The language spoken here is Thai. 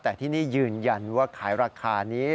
แต่ที่นี่ยืนยันว่าขายราคานี้